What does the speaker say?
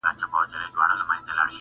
په دعاګانو وطن نه جوړېږي